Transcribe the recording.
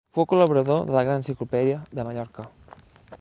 Fou col·laborador de la Gran Enciclopèdia de Mallorca.